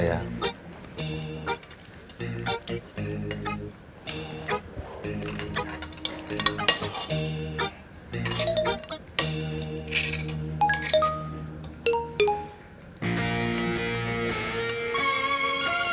debbie makan juga ya